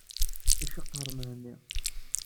Iceqqeṛ Mhenni.